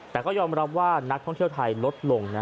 แต่ก็ยอมรับว่านักท่องเที่ยวไทยลดลงนะ